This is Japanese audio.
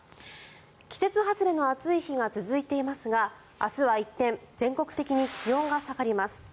季節外れの暑い日が続いていますが明日は一転全国的に気温が下がります。